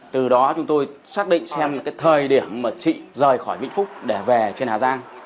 từ đó chúng tôi xác định xem là cái thời điểm mà chị rời khỏi vĩnh phúc để về trên hà giang